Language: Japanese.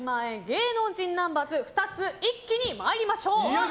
芸能人ナンバーズ２つ一気に参りましょう。